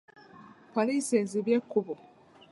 Poliisi ezibye ekkubo.